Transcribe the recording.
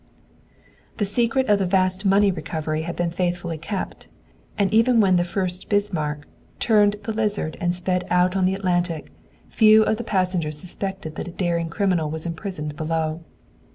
The secret of the vast money recovery had been faithfully kept, and even when the "Fuerst Bismarck" turned the Lizard and sped out on the Atlantic, few of the passengers suspected that a daring criminal was imprisoned below.